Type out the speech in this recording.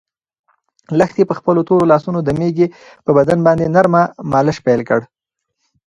لښتې په خپلو تورو لاسو د مېږې په بدن باندې نرمه مالش پیل کړ.